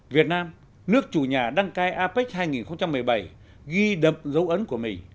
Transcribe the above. việt nam nước chủ nhà đăng cai apec hai nghìn một mươi bảy ghi đậm dấu ấn của mình